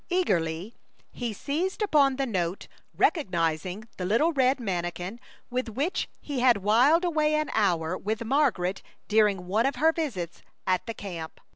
Eagerly he seized upon the note, recognizing the little red manikin with which he had whiled away an hour with Margaret during one of her visits at the camp.